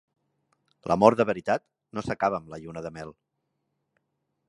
L'amor de veritat no s'acaba amb la lluna de mel.